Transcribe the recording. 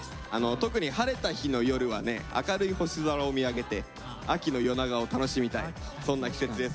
特に晴れた日の夜はね明るい星空を見上げて秋の夜長を楽しみたいそんな季節ですが。